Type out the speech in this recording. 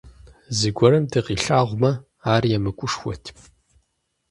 Зыгуэрым дыкъилъагъумэ, ар емыкӀушхуэт.